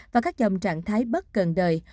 và các dòng trạng thái bất cần đời